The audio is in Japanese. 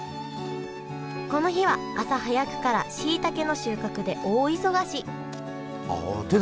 この日は朝早くからしいたけの収穫で大忙しあ手で。